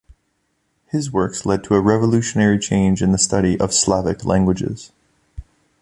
His works led to a revolutionary change in the study of Slavic languages.